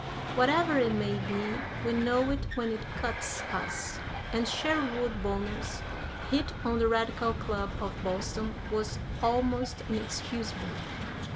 Whatever it may be, we know it when it cuts us, and Sherwood Bonner's hit on the Radical Club of Boston was almost inexcusable.